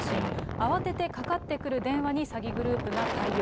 慌ててかかってくる電話に詐欺グループが対応。